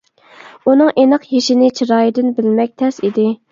ئۇنىڭ ئېنىق يېشىنى چىرايىدىن بىلمەك تەس ئىدى.